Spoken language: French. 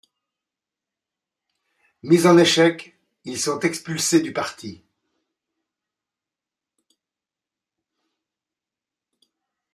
Mis en échec, ils sont expulsés du parti.